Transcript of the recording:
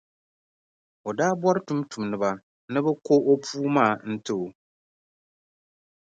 O daa bɔri tumtumdiba ni bɛ ko o puu maa n-ti o.